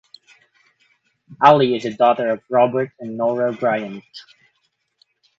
Ali is the daughter of Robert and Nora Bryant.